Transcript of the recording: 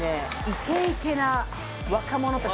イケイケな若者達